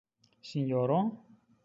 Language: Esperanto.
Sinjoro?